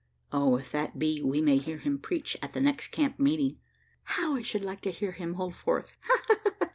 Oh, if that be, we may hear him preach at the next camp meeting. How I should like to hear him hold forth! ha, ha, ha!"